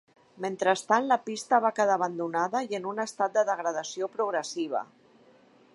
Mentrestant, la pista va quedar abandonada i en un estat de degradació progressiva.